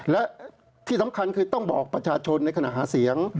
และที่สำคัญคือต้องบอกประชาชนในขณะหาเสียง